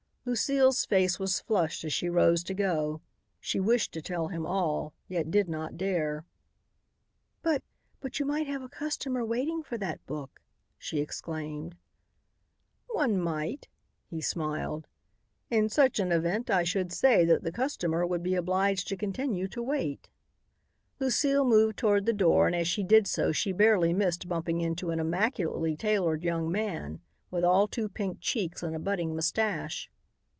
Lucile's face was flushed as she rose to go. She wished to tell him all, yet did not dare. "But but you might have a customer waiting for that book," she exclaimed. "One might," he smiled. "In such an event I should say that the customer would be obliged to continue to wait." Lucile moved toward the door and as she did so she barely missed bumping into an immaculately tailored young man, with all too pink cheeks and a budding moustache.